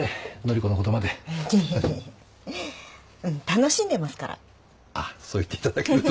楽しんでますから。